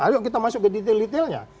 ayo kita masuk ke detail detailnya